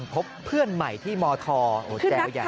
วันพบเพื่อนใหม่ที่มธโอ้วแจวอย่าง